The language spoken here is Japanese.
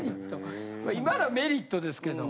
今のメリットですけど。